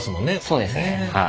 そうですねはい。